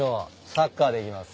サッカーでいきます。